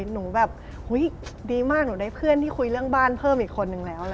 หนูแบบดีมากหนูได้เพื่อนที่คุยเรื่องบ้านเพิ่มอีกคนนึงแล้ว